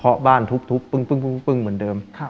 เพราะบ้านทุบปึ้งเหมือนเดิม